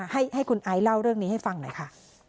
ให้คุณไอซ์เล่าเรื่องนี้ให้ฟังหน่อยค่ะ